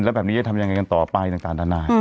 แล้วแบบนี้จะทำยังไงกันต่อไปต่างนานา